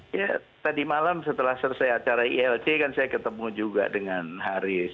ya tadi malam setelah selesai acara ilc kan saya ketemu juga dengan haris